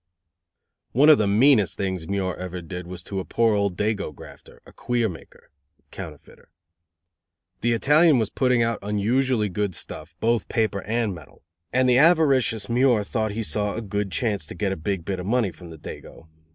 One of the meanest things Muir ever did was to a poor old "dago" grafter, a queer maker (counterfeiter). The Italian was putting out unusually good stuff, both paper and metal, and the avaricious Muir thought he saw a good chance to get a big bit of money from the dago.